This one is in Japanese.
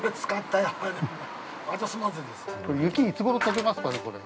雪、いつごろとけますかね、これ。